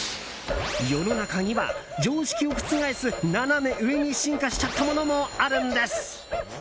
世の中には常識を覆すナナメ上に進化しちゃったものもあるんです。